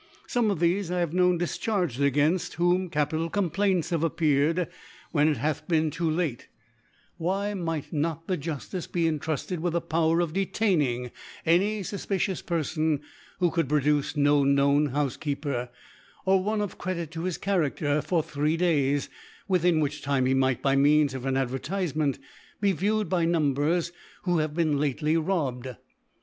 Some of _ thcfo I have known difcharged, againft whom capital Complaints have appeared, when it hath been too late* Why might not the Juftice be entrufted with a Power of detaining any fufpicious Perfon, who could produce noknownHoufc* keeper, or one of Credit, to his CharaiSer, for three Days^ within which Time h« mighr, by Means of an Advertifcment, be viewed by Numbers who have been late!/ robbed?